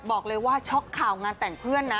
บอกเลยว่าช็อกข่าวงานแต่งเพื่อนนะ